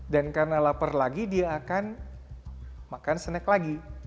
dan karena lapar lagi dia akan makan snack lagi